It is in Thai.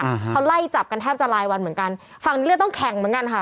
อ่าเขาไล่จับกันแทบจะรายวันเหมือนกันฝั่งนี้เลือดต้องแข่งเหมือนกันค่ะ